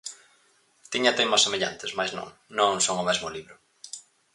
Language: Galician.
Tiña teimas semellantes, mais non, non son o mesmo libro.